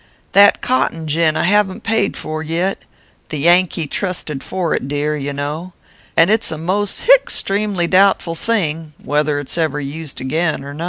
"That cotton gin I haven t paid for yet The Yankee trusted for it, dear, you know, And it s a most (hie) stremely doubtful thing, Whether it s ever used again, or no.